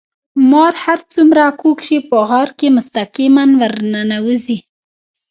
مار هر څومره کوږ شي په غار کې مستقيم ورننوزي.